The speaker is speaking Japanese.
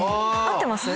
合ってます？